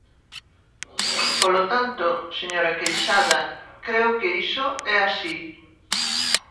Polo tanto, señora Queixada, creo que iso é así.